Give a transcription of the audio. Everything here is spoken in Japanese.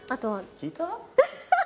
聞いた？